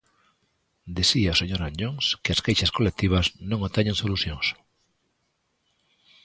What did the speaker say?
Dicía o señor Anllóns que as queixas colectivas non obteñen solucións.